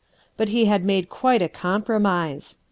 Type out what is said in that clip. But he had made quite a compromise.